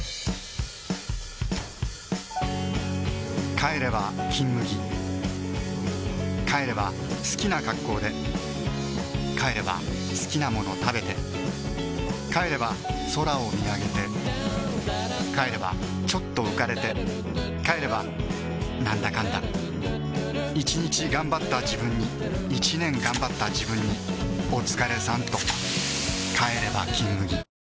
帰れば「金麦」帰れば好きな格好で帰れば好きなもの食べて帰れば空を見上げて帰ればちょっと浮かれて帰ればなんだかんだ１日がんばったジブンに１年がんばったジブンにおつかれさんとシュワー帰れば「金麦」